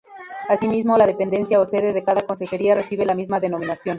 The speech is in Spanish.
Asimismo, la dependencia o sede de cada consejería recibe la misma denominación.